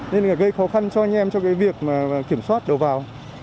nên là gây khó khăn cho anh em trong việc kiểm soát đầu vào